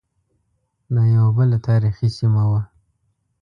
دا یوه بله تاریخی سیمه وه.